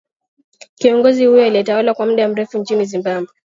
kiongozi huyo aliyetawala kwa muda mrefu nchini zimbabwe